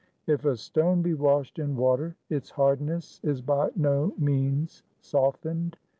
If a stone be washed in water, its hardness is by no means softened.